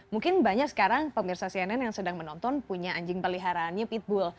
mungkin banyak sekarang pemirsa cnn yang sedang menonton punya anjing peliharaannya pitbull